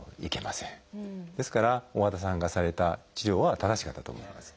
ですから大和田さんがされた治療は正しかったと思います。